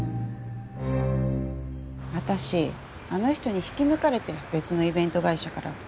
私あの人に引き抜かれて別のイベント会社から転職したんですよ。